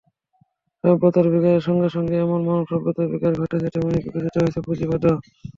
সভ্যতার বিকাশের সঙ্গে সঙ্গে যেমন মানবসত্তার বিকাশ ঘটেছে, তেমনি বিকশিত হয়েছে পুঁজিবাদও।